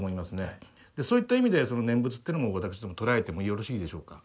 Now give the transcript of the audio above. そういった意味でその念仏っていうのも私ども捉えてもよろしいでしょうか。